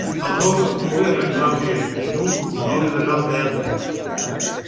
El nou d'octubre na Clàudia i n'Hug volen anar al teatre.